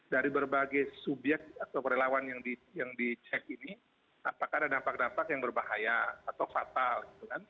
dari berbagai subyek atau relawan yang dicek ini apakah ada dampak dampak yang berbahaya atau fatal gitu kan